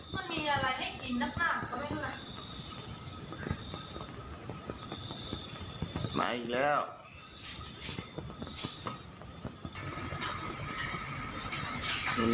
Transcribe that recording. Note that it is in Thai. มันมีอะไรให้กินนักหน้าก็ไม่เป็นไร